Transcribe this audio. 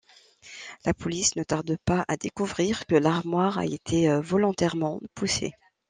La police ne tarde pas à découvrir que l'armoire a été volontairement poussée.